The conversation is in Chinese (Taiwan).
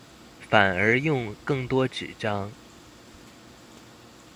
反而用更多紙張